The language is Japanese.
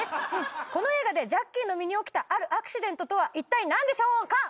この映画でジャッキーの身に起きたあるアクシデントとはいったい何でしょうか？